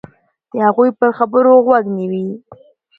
د هغوی پر خبرو غوږ نیوی.